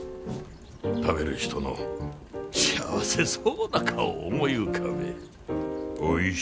食べる人の幸せそうな顔を思い浮かべえ。